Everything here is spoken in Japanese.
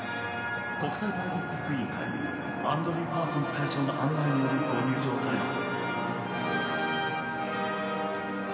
国際パラリンピック委員会アンドリュー・パーソンズ会長の案内により、ご入場されます。